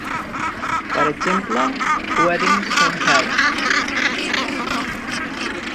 Per exemple, "Weddings from Hell".